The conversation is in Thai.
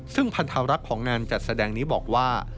ซึ่งพันธรักษ์ของงานจัดแสดงนี้บอกว่า